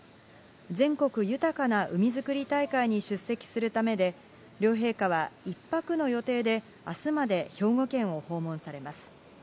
全国豊かな海づくり大会に出席するためで、両陛下は一泊の予定で、明日まで兵庫県を訪問されます。